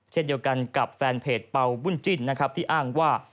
เช่นเดียวกันกับแฟนเพจเป่าบุญจิ้นนะครับที่อ้างว่า